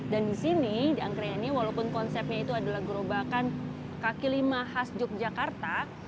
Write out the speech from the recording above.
dan di sini di angkringan ini walaupun konsepnya itu adalah gerobakan kekilima khas yogyakarta